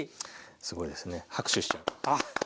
すごいですね拍手しちゃう。